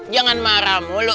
jangan marah mulu